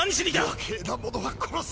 余計な者は殺せ！